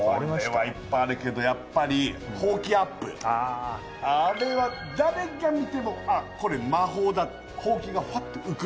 これはいっぱいあるけどやっぱりあれは誰が見てもあっこれ魔法だってほうきがフワッて浮く